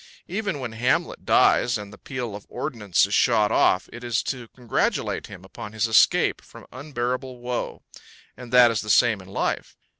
Even when Hamlet dies, and the peal of ordnance is shot off, it is to congratulate him upon his escape from unbearable woe; and that is the same in life.